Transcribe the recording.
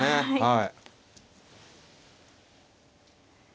はい。